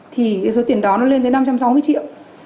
thì cái số tiền đó nó lên tới năm trăm sáu mươi triệu